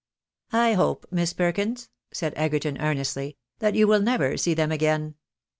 " I hope, Miss Perkins," said Egerton, earnestly, "that you will never see them again.